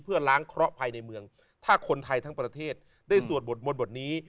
เพื่อล้างเคราะห์ภายในเมืองถ้าคนไทยทั้งประเทศได้สวดบทมนต์บทนี้